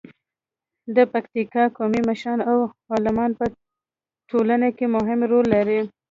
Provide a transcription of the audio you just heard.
د پکتیکا قومي مشران او علما په ټولنه کې مهم رول لري.